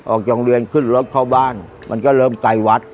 ออกจากโรงเรียนขึ้นรถเข้าบ้านมันก็เริ่มไกลวัด